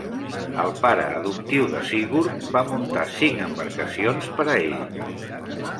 El pare adoptiu de Sigurd va muntar cinc embarcacions per a ell.